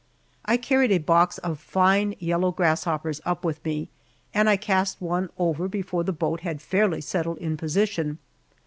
I carried a box of fine yellow grasshoppers up with me, and I cast one over before the boat had fairly settled in position.